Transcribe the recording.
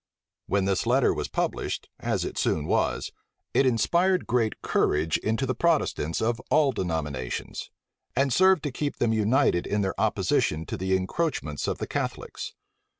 When this letter was published, as it soon was, it inspired great courage into the Protestants of all denominations, and served to keep them united in their opposition to the encroachments of the Catholics.